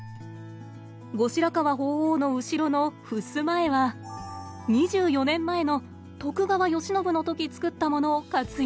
後白河法皇の後ろのふすま絵は２４年前の「徳川慶喜」の時作ったものを活用！